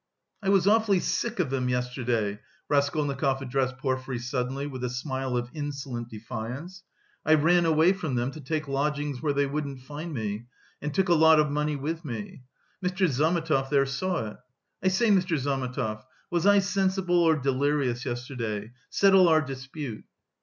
"I was awfully sick of them yesterday." Raskolnikov addressed Porfiry suddenly with a smile of insolent defiance, "I ran away from them to take lodgings where they wouldn't find me, and took a lot of money with me. Mr. Zametov there saw it. I say, Mr. Zametov, was I sensible or delirious yesterday; settle our dispute."